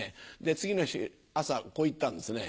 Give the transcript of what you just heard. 次の日朝こう言ったんですね。